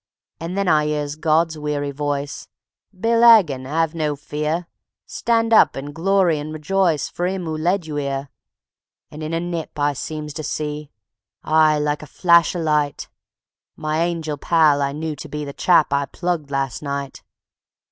And then I 'ears God's werry voice: "Bill 'agan, 'ave no fear. Stand up and glory and rejoice For 'im 'oo led you 'ere." And in a nip I seemed to see: Aye, like a flash o' light, _My angel pal I knew to be The chap I plugged last night.